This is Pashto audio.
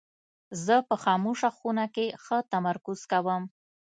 زه په خاموشه خونه کې ښه تمرکز کوم.